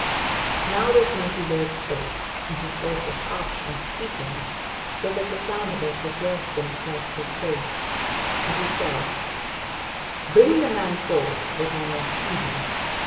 Now this mighty lord spake, and his voice was harsh and squeaking, so that the sound of it was worse than the sight of his face; and he said: "Bring the man forth, that I may see him."